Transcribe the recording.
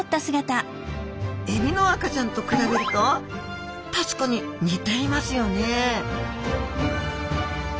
エビの赤ちゃんと比べると確かに似ていますよね